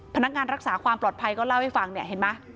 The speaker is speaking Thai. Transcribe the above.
พนักงานรักษาความปลอดภัยก็เล่าให้ฟังเนี่ยเห็นไหม